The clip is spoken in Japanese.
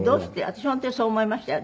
私本当にそう思いましたよ。